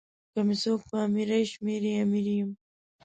که می څوک په امیری شمېري امیر یم.